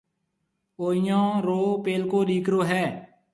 او ايئيون رو پيلڪو ڏِيڪرو هيَ۔